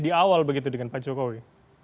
di awal begitu dengan pak jokowi